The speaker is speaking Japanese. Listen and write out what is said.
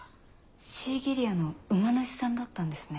シーギリアの馬主さんだったんですね。